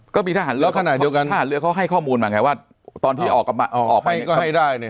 ก็มีทหารเรือเขาให้ข้อมูลมาไงว่าตอนที่ออกก็ให้ได้